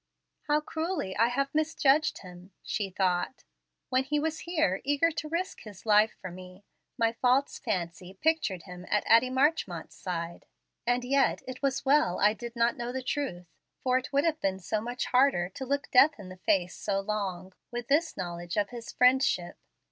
"How cruelly I have misjudged him!" she thought. "When he was here eager to risk his life for me, my false fancy pictured him at Addie Marchmont's side. And yet it was well I did not know the truth, for it would have been so much harder to look death in the face so long, with this knowledge of his friendship.